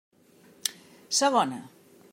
Segona.